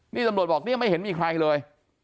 นี่ตำรวจบอกเนี่ยไม่เห็นมีใครเลย